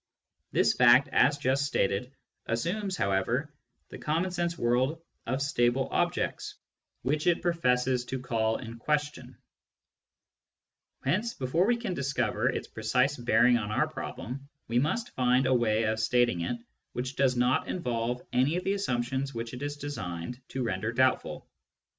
This fact, as just stated, assumes, however, the common sense world of stable objects which it professes to call in question ; hence, before we can discover its precise bearing on our problem, we must find a way of stating it which does not involve any of the assumptions which it is designed to render doubtful.